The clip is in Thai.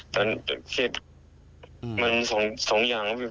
ตอนเครียดมันสองอย่างครับพี่